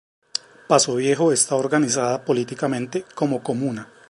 Paso Viejo está organizada políticamente como Comuna.